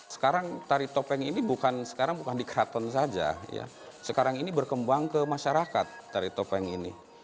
sekarang tari topeng ini bukan sekarang bukan di keraton saja sekarang ini berkembang ke masyarakat tari topeng ini